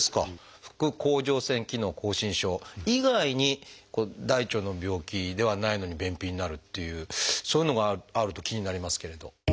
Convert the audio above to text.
副甲状腺機能亢進症以外に大腸の病気ではないのに便秘になるっていうそういうのがあると気になりますけれど。